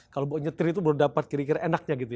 kalau buat nyetir itu baru dapat kira kira enaknya gitu